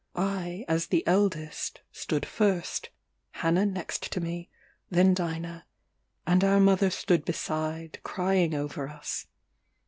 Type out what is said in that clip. I, as the eldest, stood first, Hannah next to me, then Dinah; and our mother stood beside, crying over us.